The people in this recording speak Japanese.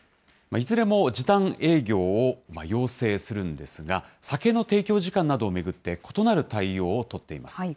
いずれも時短営業を要請するんですが、酒の提供時間などを巡って、異なる対応を取っています。